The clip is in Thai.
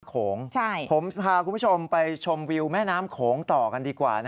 โขงผมพาคุณผู้ชมไปชมวิวแม่น้ำโขงต่อกันดีกว่า